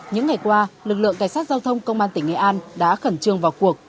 những ngày qua lực lượng cảnh sát giao thông công an tỉnh nghệ an đã khẩn trương vào cuộc